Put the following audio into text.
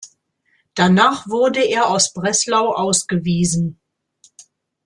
Danach wurde er aus Breslau ausgewiesen.